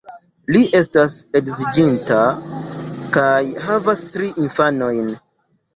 Li estas edziĝinta, kaj havas tri infanojn.